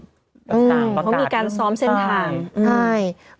เขามีการซ้อมเซ็นทาร์ม